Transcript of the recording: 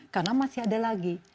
karena masih ada lagi